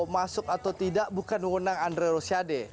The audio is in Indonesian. masuk atau tidak bukan wewenang andre rosiade